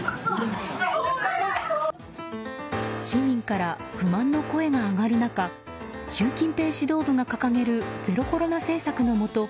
市民から不満の声が上がる中習近平指導部が掲げるゼロコロナ政策のもと